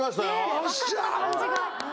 よっしゃ！